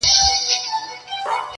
د لېوه ستوني ته سر یې کړ دننه-